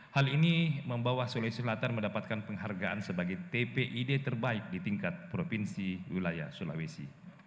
hal ini membawa sulawesi selatan mendapatkan penghargaan sebagai tpid terbaik di tingkat provinsi wilayah sulawesi